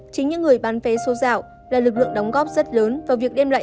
chính những người bán vé số dạo là lực lượng đóng góp rất lớn vào việc đem lại